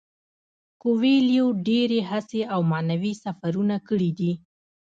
کویلیو ډیرې هڅې او معنوي سفرونه کړي دي.